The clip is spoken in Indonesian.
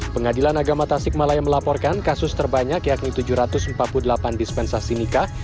pengadilan agama tasik malaya melaporkan kasus terbanyak yakni tujuh ratus empat puluh delapan dispensasi nikah